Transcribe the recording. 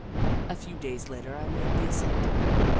A few days later I made the ascent.